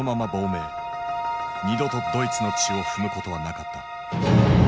二度とドイツの地を踏むことはなかった。